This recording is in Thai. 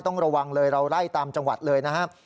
ต้องระวังเลยเราไล่ตามจังหวัดเลยนะครับ